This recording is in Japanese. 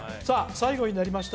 最後になりました